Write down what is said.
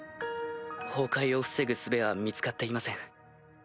崩壊を防ぐすべは見つかっていません。